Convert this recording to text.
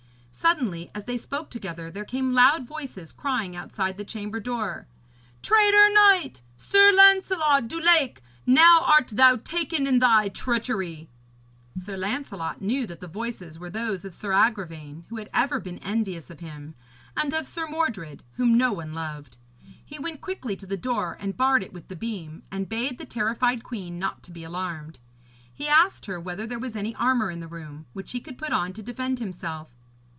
Suddenly, as they spoke together, there came loud voices crying outside the chamber door: 'Traitor knight, Sir Lancelot du Lake, now art thou taken in thy treachery!' Sir Lancelot knew that the voices were those of Sir Agravaine, who had ever been envious of him, and of Sir Mordred, whom no one loved. He went quickly to the door and barred it with the beam, and bade the terrified queen not to be alarmed. He asked her whether there was any armour in the room, which he could put on to defend himself.